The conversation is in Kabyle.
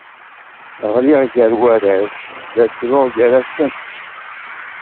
Ɣliɣ gar warrac, la ttruɣ gar-asen.